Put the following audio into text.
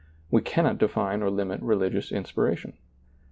We cannot define or limit religious inspiration.